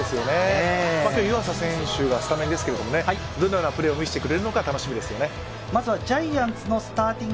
今日、湯浅選手がスタメンですが、どんなプレーを見せてくれるか楽しみですね。